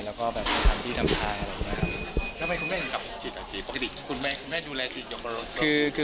แล้วก็ทำที่ทำใท